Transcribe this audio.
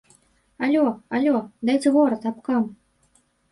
Алё, алё, дайце горад, абкам.